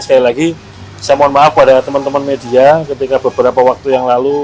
sekali lagi saya mohon maaf pada teman teman media ketika beberapa waktu yang lalu